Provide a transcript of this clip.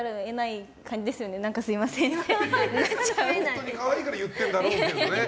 本当に可愛いから言ってるんだろみたいなね。